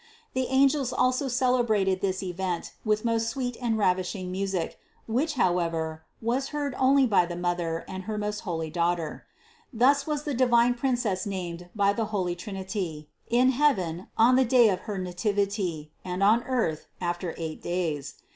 The angels also celebrated this event with most sweet and ravishing music, which, however, was heard only by the mother and her most holy Daughter. Thus was the divine Princess named by the holy Trinity: in heaven, on the day of her nativity, and on earth, after eight days.